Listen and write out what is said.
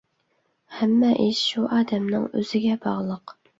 ھەممە ئىش شۇ ئادەمنىڭ ئۆزىگە باغلىق.